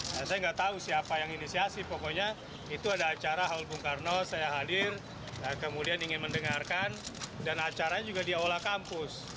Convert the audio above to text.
saya tidak tahu siapa yang inisiasi pokoknya itu ada acara haul bung karno saya hadir kemudian ingin mendengarkan dan acaranya juga di aula kampus